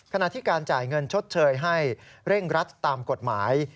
ขณะที่การจ่ายเงินชดเชยให้เร่งรัดตามกฎหมาย